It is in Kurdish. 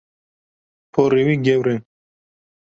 Porê wî gewr e.